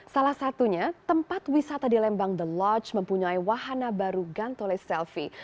salah satunya tempat wisata di lembang the lodge mempunyai wahana baru gantole selfie